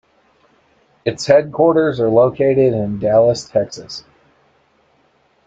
Its headquarters are located in Dallas, Texas.